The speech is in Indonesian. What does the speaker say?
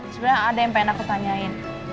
sebenarnya ada yang pengen aku tanyain